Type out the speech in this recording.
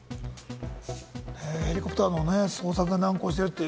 ヘリコプターの捜索が難航している。